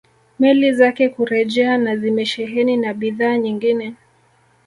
Meli zake kurejea na zimesheheni na bidhaa nyingine